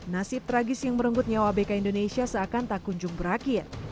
nasib tragis yang merenggut nyawa abk indonesia seakan tak kunjung berakhir